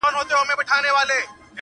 هغه چنار ته د مرغیو ځالګۍ نه راځي،